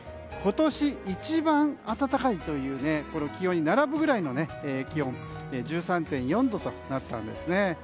今年一番暖かいというこの気温に並ぶくらいの気温、１３．４度となったんですね。